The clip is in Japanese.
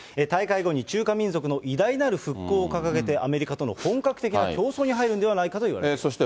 大会後に中華民族の偉大なる復興を掲げて、アメリカとの本格的な競争に入るんではないかといわれています。